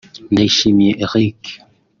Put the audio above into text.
Ndayishimiye Eric